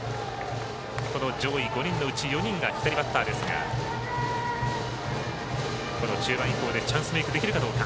この上位５人のうち４人が左バッターですが中盤以降でチャンスメークできるかどうか。